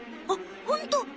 あっホント。